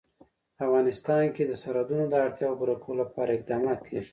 په افغانستان کې د سرحدونه د اړتیاوو پوره کولو لپاره اقدامات کېږي.